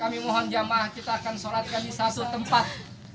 kami mohon jamaah kita akan sholatkan di satu tempat